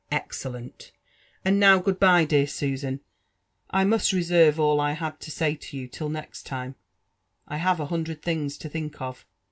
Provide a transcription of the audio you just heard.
'* Excellent ! And now sood b'ye, dear Susan 1 I must reserve all I had to say to you till next time— I have a hundred things to think of.